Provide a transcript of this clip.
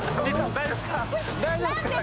大丈夫ですか？